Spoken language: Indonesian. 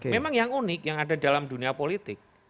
memang yang unik yang ada dalam dunia politik